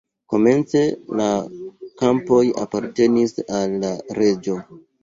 Komence la kampoj apartenis al la reĝo.